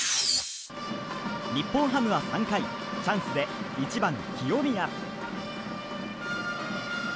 日本ハムは３回チャンスで１番、清宮。